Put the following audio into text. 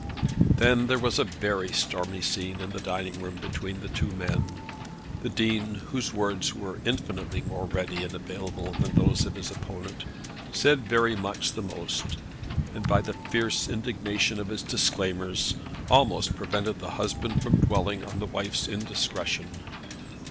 Then there was a very stormy scene in the dining room between the two men. The Dean, whose words were infinitely more ready and available than those of his opponent, said very much the most, and by the fierce indignation of his disclaimers, almost prevented the husband from dwelling on the wife's indiscretion.